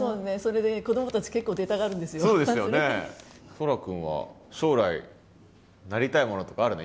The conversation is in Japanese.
蒼空くんは将来なりたいものとかあるの？